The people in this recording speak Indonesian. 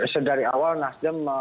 sedari awal nasdem